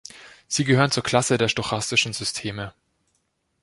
Sie gehören zur Klasse der Stochastischen Systeme.